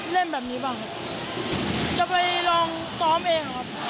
เล่นแบบนี้บ้างครับจะไปลองซ้อมเองครับ